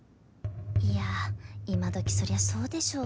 いや今どきそりゃそうでしょ